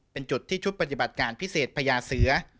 เป็นจุดที่ชุดปฏิบัติการพิเศษพญาเสือ